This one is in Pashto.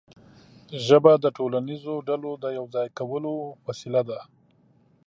ژبه د ټولنیزو ډلو د یو ځای کولو وسیله ده.